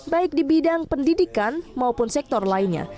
baik di bidang pendidikan maupun sektor lainnya